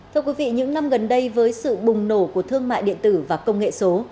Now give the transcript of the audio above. thưa quý vị những năm gần đây với sự bùng nổ của thương mại điện tử và công nghệ số